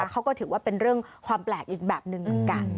เขาก็ถือว่าเป็นเรื่องความแปลกอีกแบบหนึ่งเหมือนกัน